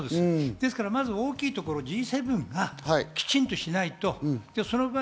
ですからまずは大きいところ、Ｇ７がきちんとしないと。